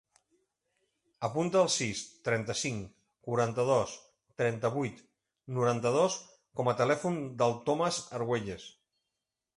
Apunta el sis, trenta-cinc, quaranta-dos, trenta-vuit, noranta-dos com a telèfon del Thomas Arguelles.